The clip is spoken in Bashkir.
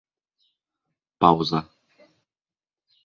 Пауза.